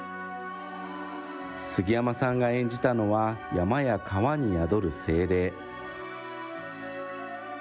杉山さんが演じたのは、山や川に宿る精霊。